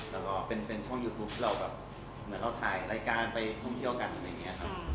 แล้วก็เป็นช่องยูทูปที่เราแบบเหมือนเราถ่ายรายการไปท่องเที่ยวกันอะไรอย่างนี้ครับ